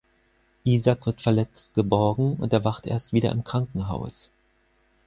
Isak wird verletzt geborgen und erwacht erst wieder im Krankenhaus.